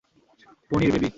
পনির, baby.